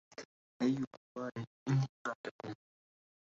أيها الوالد إني بعدكم